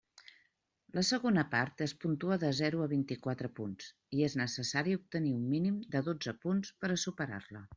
La segona part es puntua de zero a vint-i-quatre punts, i és necessari obtenir un mínim de dotze punts per a superar-la.